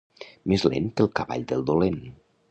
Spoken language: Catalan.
Més lent que el cavall del dolent.